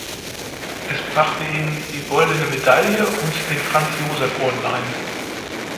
Es brachte ihm die "Goldene Medaille" und den Franz-Joseph-Orden ein.